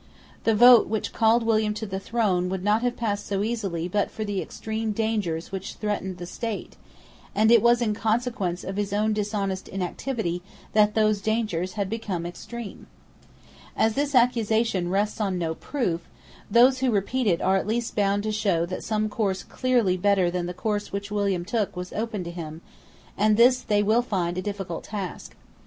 The vote which called William to the throne would not have passed so easily but for the extreme dangers which threatened the state; and it was in consequence of his own dishonest inactivity that those dangers had become extreme, As this accusation rests on no proof, those who repeat it are at least bound to show that some course clearly better than the course which William took was open to him; and this they will find a difficult task.